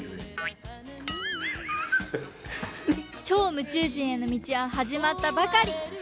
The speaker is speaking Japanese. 超夢中人へのみちははじまったばかり。